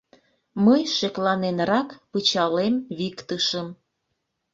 Мый шекланенрак пычалем виктышым.